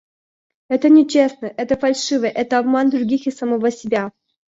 Это нечестно, это фальшиво, это обман других и самого себя.